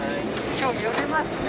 今日揺れますね。